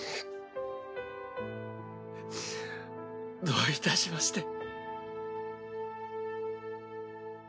どういたしまして。